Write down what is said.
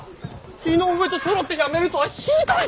井上とそろって辞めるとはひどい。